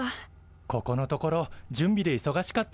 ここのところ準備でいそがしかったもんね。